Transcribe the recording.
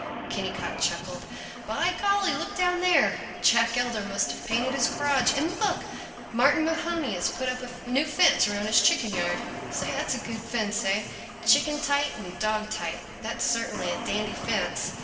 Kennicott chuckled, "By golly, look down there! Jack Elder must have painted his garage. And look! Martin Mahoney has put up a new fence around his chicken yard. Say, that's a good fence, eh? Chicken tight and dog tight. That's certainly a dandy fence.